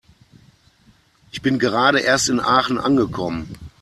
Ich bin gerade erst in Aachen angekommen